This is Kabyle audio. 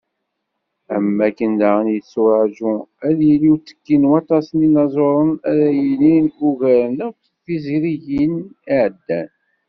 Am wakken daɣen, yetturaǧu ad d-yili uttekki n waṭas n yinaẓuren, ara yilin ugaren akk tizrigin i iɛeddan.